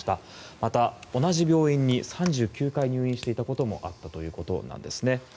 また同じ病院に３９回入院していたこともあったということです。